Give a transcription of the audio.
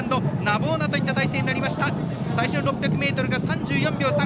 最初の６００ｍが３４秒３！